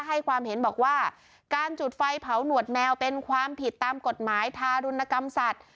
ให้ความเห็นบอกว่าการจุดไฟเผาหนวดแมวเป็นความผิดตามกฎหมายทารุณกรรมสัตว์